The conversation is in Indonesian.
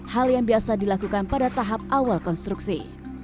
hal yang biasa dilakukan pada tahap awal konstruksi